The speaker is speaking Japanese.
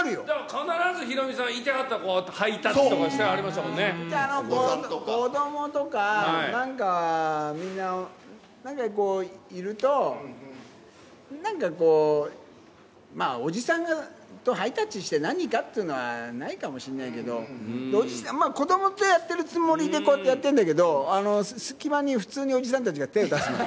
必ずヒロミさん、いてはったら、ハイタッチとかしてはりまし子どもとか、なんかみんな、なんかこう、いると、なんかこう、まあ、おじさんとハイタッチして何かっていうのはないかもしんないけど、子どもとやってるつもりで、こうやってやってんだけど、隙間に普通におじさんたちが手を出すの。